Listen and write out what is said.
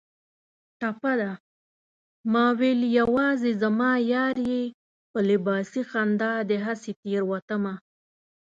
ټپه ده: ماوېل یوازې زما یار یې په لباسي خندا دې هسې تېروتمه